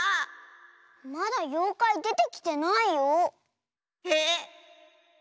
まだようかいでてきてないよ。へ？